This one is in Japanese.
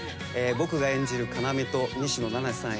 僕が演じる要と西野七瀬さん